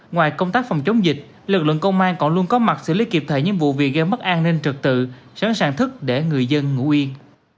ngoài công tác phòng chống dịch lực lượng công an còn luôn có mặt xử lý kịp thời những vụ việc gây mất an ninh trực tự sẵn sàng thức để người dân ngủ yên